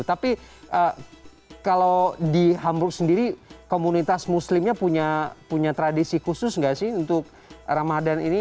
tapi kalau di hamburg sendiri komunitas muslimnya punya tradisi khusus nggak sih untuk ramadan ini